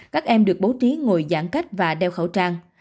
các em được bố trí ngồi giãn cách và đeo khẩu trang